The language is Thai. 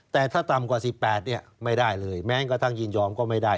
แต่ถ้าต่ำกว่า๑๘เนี่ยไม่ได้เลยแม้กระทั่งยินยอมก็ไม่ได้